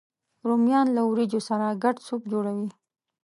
رومیان له ورېجو سره ګډ سوپ جوړوي